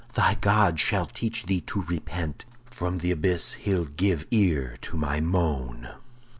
Thy God shall teach thee to repent! From th' abyss he'll give ear to my moan."